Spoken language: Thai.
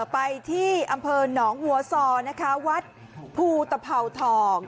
ไปที่อำเภอหนองหัวซอนะคะวัดภูตภาวทอง